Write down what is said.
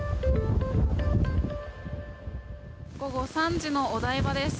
午後３時のお台場です。